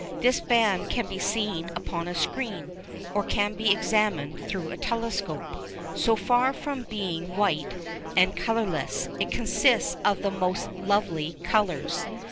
This band can be seen upon a screen, or can be examined through a telescope. So far from being white and colourless, it consists of the most lovely colours.